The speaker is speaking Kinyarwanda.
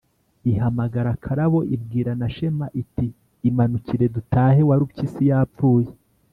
ihamagara karabo, ibwira na shema iti: imanukire dutahe, warupyisi yapfuye.”